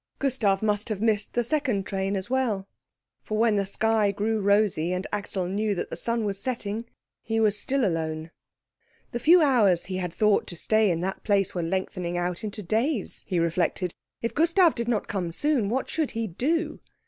Gustav must have missed the second train as well, for when the sky grew rosy, and Axel knew that the sun was setting, he was still alone. The few hours he had thought to stay in that place were lengthening out into days, he reflected. If Gustav did not come soon, what should he do?